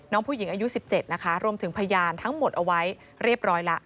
น้องผู้หญิงอายุ๑๗นะคะรวมถึงพยานทั้งหมดเอาไว้เรียบร้อยแล้ว